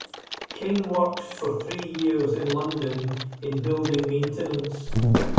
King worked for three years in London in building maintenance.